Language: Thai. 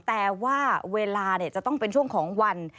แต่ว่าเวลาจะต้องเป็นช่วงของวัน